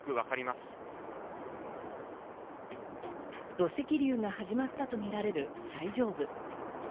土石流が始まったとみられる最上部。